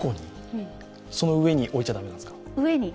その上に置いちゃ駄目ですか？